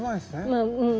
まあうん。